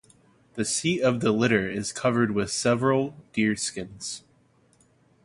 The seat of the litter is covered with several deerskins.